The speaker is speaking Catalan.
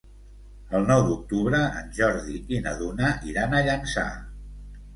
El nou d'octubre en Jordi i na Duna iran a Llançà.